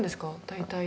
大体。